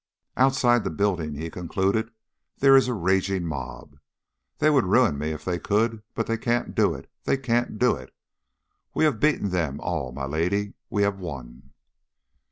"Outside the building," he concluded, "there is a raging mob. They would ruin me if they could, but they can't do it, they can't do it. We have beaten them all, my lady. We have won!"